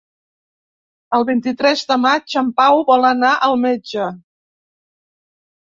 El vint-i-tres de maig en Pau vol anar al metge.